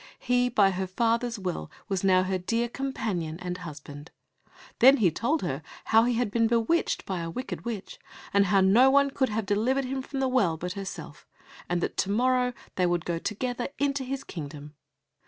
He by her father's will was now her dear companion and husband. Then he told her how he had been bewitched by a wicked witch, and how no one could have delivered him from the well but herself, and that to morrow they would go together into his kingdom.